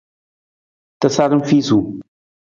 Tasaram fiisung.